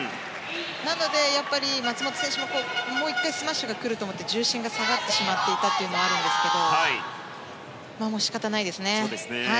なので、松本選手ももう１回スマッシュが来ると思って重心が下がってしまっていたというのもあるんですけどもう、仕方ないですね。